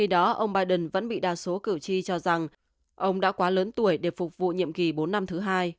đa số cựu chi cho rằng ông đã quá lớn tuổi để phục vụ nhiệm kỳ bốn năm thứ hai